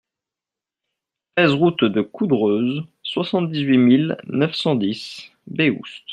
treize route de Coudreuse, soixante-dix-huit mille neuf cent dix Béhoust